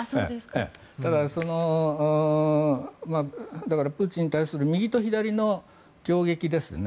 ただ、プーチンに対する右と左の挟撃ですね